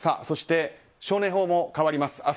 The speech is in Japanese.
そして少年法も変わります。